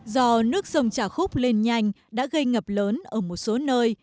do nước sông trà khúc lên nhanh đã gây ngập lớn ở một số nơi